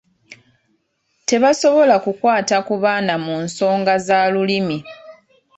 Tebasobola kukwata ku baana mu nsonga za Lulimi.